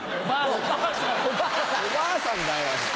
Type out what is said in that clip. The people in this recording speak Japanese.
おばあさんだよ。